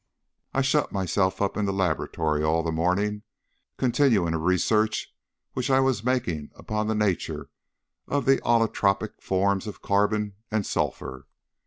I shut myself up in the laboratory all the morning, continuing a research which I was making upon the nature of the allotropic forms of carbon and of sulphur.